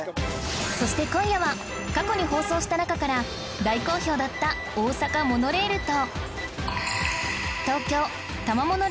そして今夜は過去に放送した中から大好評だった大阪モノレールと